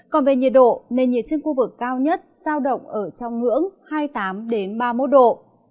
còn về nhiệt độ nền nhiệt trên khu vực cao nhất giao động ở trong ngưỡng hai mươi tám ba mươi một độ